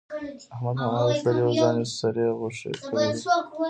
احمد حمام ته تللی وو؛ ځان يې سرې غوښې کړی دی.